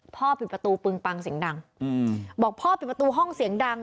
ปิดประตูปึงปังเสียงดังบอกพ่อปิดประตูห้องเสียงดัง